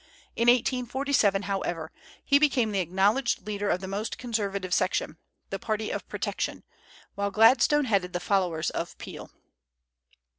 In 1847, however, he became the acknowledged leader of the most conservative section, the party of protection, while Gladstone headed the followers of Peel.